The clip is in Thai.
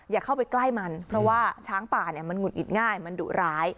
อย่าเข้าไปใกล้มันเพราะว่าช้างป่าเนี่ยมันหุดหงิดง่ายมันดุร้าย